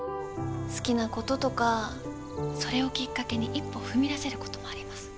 好きなこととかそれをきっかけに一歩踏み出せることもあります。